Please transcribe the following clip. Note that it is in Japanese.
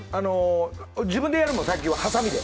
自分でやるの、最近は、はさみで。